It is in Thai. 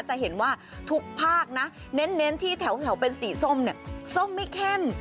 จะเห็นว่าทุกภาคนะเน้นที่แถวเป็นสีส้มเนี่ยส้มไม่เข้ม